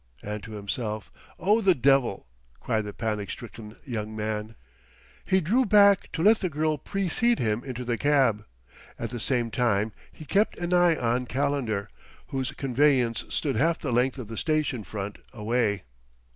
And to himself, "Oh, the devil!" cried the panic stricken young man. He drew back to let the girl precede him into the cab; at the same time he kept an eye on Calendar, whose conveyance stood half the length of the station front away.